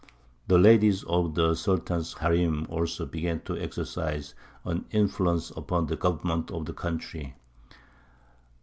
The ladies of the Sultan's harīm also began to exercise an influence upon the government of the country.